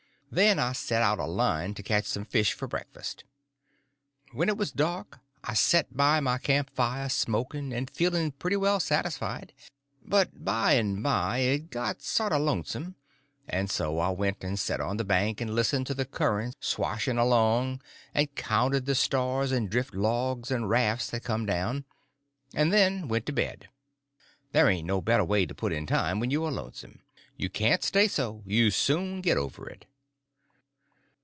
Then I set out a line to catch some fish for breakfast. When it was dark I set by my camp fire smoking, and feeling pretty well satisfied; but by and by it got sort of lonesome, and so I went and set on the bank and listened to the current swashing along, and counted the stars and drift logs and rafts that come down, and then went to bed; there ain't no better way to put in time when you are lonesome; you can't stay so, you soon get over it.